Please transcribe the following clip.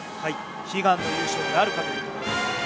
悲願の優勝なるかというところです。